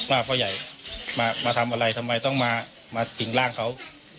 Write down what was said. ว่าพ่อใหญ่มาทำอะไรทำไมต้องมาสิ่งร่างเขา